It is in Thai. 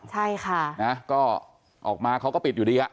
ใช่ค่ะนะก็ออกมาเขาก็ปิดอยู่ดี